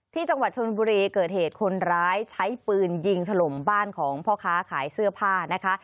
ที่จังหวัดชนบุรีเกิดเหตุคนร้ายใช้ปืนยิงถล่มบ้านของพ่อค้าขายเสื้อผ้านะคะ